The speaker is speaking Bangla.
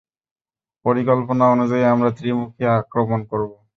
পরিকল্পনা অনুযায়ী আমরা ত্রিমুখী আক্রমণ করব।